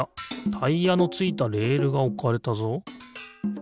タイヤのついたレールがおかれたぞ。